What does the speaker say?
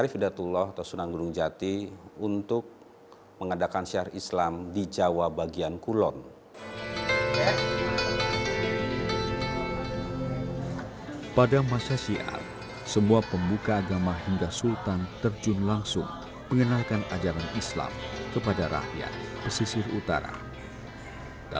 ibarat cermin topeng cirebon memberi pengingat pada lagu hidup manusia agar terus mencari jati diri hingga usia senja